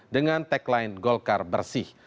dengan tagline golkar bersih